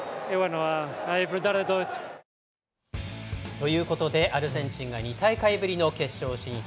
ということでアルゼンチンが２大会ぶりの決勝進出。